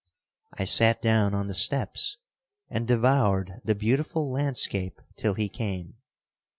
I sat down on the steps and devoured the beautiful landscape till he came.